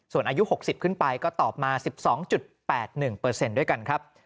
ส่วนอายุ๖๐ขึ้นไปก็ตอบมา๑๒๘๑ด้วยกันครับ